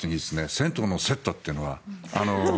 銭湯のセットっていうのは。